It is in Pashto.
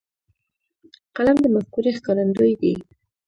قلم د مفکورې ښکارندوی دی.